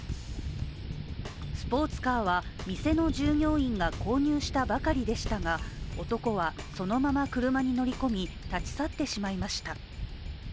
スポーツカーは店の従業員が購入したばかりでしたが、男はそのまま車に乗り込み立ち去ってしまいました。